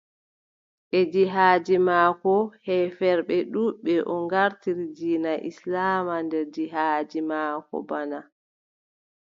E jihaadi maako, heeferɓe ɗuuɗɓe o ngartiri diina islaama nder jihaadi maako bana.